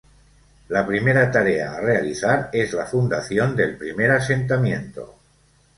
La primera tarea a realizar es la fundación del primer asentamiento.